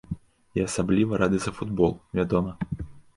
І асабліва рады за футбол, вядома.